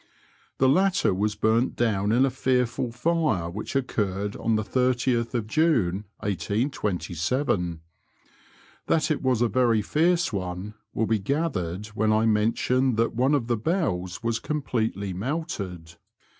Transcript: The latter was burnt down in a fearfiil fire which occurred on the 80th June, 1827 ; that it was a very fierce one will be gathered when I mention that one of the bells was completely melted.